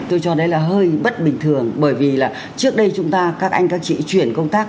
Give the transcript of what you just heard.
tôi cho đấy là hơi bất bình thường bởi vì là trước đây chúng ta các anh các chị chuyển công tác